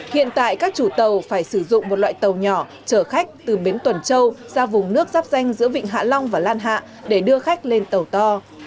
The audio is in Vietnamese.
hiện tại các chủ tàu phải sử dụng một loại tàu nhỏ chở khách từ bến tuần châu ra vùng nước giáp danh giữa vịnh hạ long và lan hạ để đưa khách lên tàu to